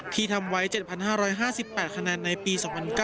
ที่ทำไว้๗๕๕๘คะแนนในปี๒๐๐๙